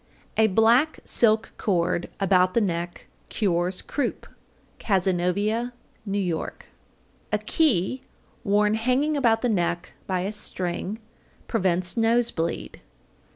A black silk cord about the neck cures croup. Cazenovia, N.Y. 804. A key worn hanging about the neck by a string prevents nose bleed.